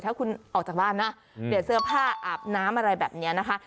ถ้าคุณออกจากบ้านนะเปลี่ยนเสื้อผ้าอาบน้ำอะไรแบบนี้นะคะ